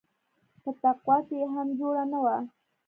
په تقوا کښې يې هم جوړه نه وه.